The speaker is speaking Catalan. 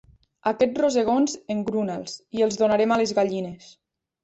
Aquests rosegons, engruna'ls, i els donarem a les gallines.